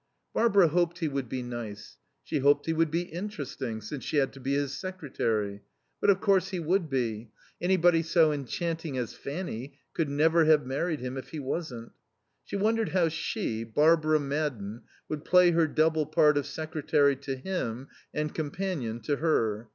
Barbara hoped he would be nice; she hoped he would be interesting, since she had to be his secretary. But, of course, he would be. Anybody so enchanting as Fanny could never have married him if he wasn't. She wondered how she, Barbara Madden, would play her double part of secretary to him and companion to her.